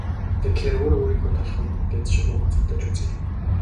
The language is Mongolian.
Тэгэхээр өөрөө өөрийнхөө толгойг мэдээд шулуухан зугтаж үзье.